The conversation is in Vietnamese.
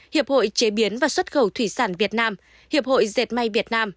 hiệp hội chế biến và xuất khẩu thủy sản việt nam hiệp hội dệt may việt nam